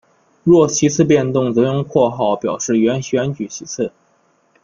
若席次变动则用括号表示原选举席次。